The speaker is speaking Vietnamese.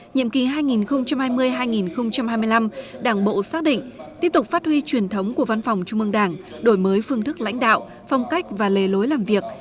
nhiệm kỳ hai nghìn hai mươi hai nghìn hai mươi năm đảng bộ xác định tiếp tục phát huy truyền thống của văn phòng trung mương đảng đổi mới phương thức lãnh đạo phong cách và lề lối làm việc